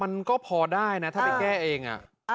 มันก็พอได้นะถ้าไปแก้เอง